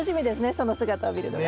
その姿を見るのが。